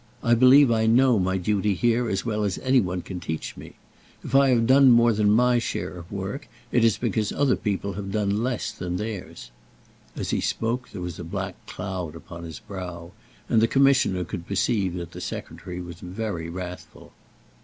I believe I know my duty here as well as any one can teach me. If I have done more than my share of work, it is because other people have done less than theirs." As he spoke, there was a black cloud upon his brow, and the Commissioner could perceive that the Secretary was very wrathful.